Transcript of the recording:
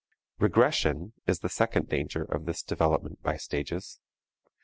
Regression is the second danger of this development by stages.